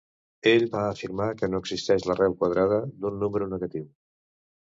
Ell va afirmar que no existeix l'arrel quadrada d'un número negatiu.